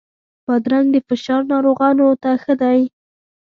بادرنګ د فشار ناروغانو ته ښه دی.